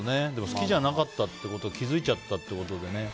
好きじゃなかったことに気づいちゃったということでね。